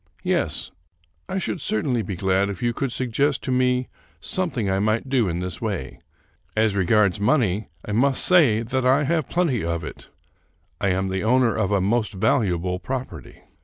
" Yes, I should certainly be glad if you could suggest to me something I might do in this way. As regards money, I may say that I have plenty of it. I am the owner of a most valuable property.